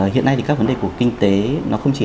hiện nay thì các vấn đề của kinh tế nó không chỉ